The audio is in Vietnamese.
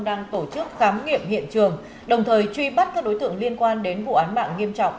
đang tổ chức khám nghiệm hiện trường đồng thời truy bắt các đối tượng liên quan đến vụ án mạng nghiêm trọng